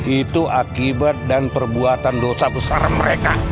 itu akibat dan perbuatan dosa besar mereka